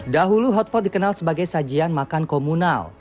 dahulu hotpot dikenal sebagai sajian makan komunal